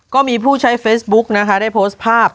ก็มีผู้ใช้เฟซบุ๊กนะคะได้โพสต์ภาพ